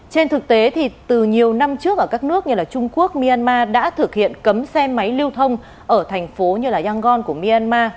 trên thực tế thì từ nhiều năm trước ở các nước như trung quốc myanmar đã thực hiện cấm xe máy lưu thông ở thành phố như yangon của myanmar